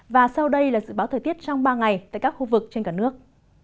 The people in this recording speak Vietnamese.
và sau đây là dự báo thời tiết trong ba ngày tại các khu vực trên cả nước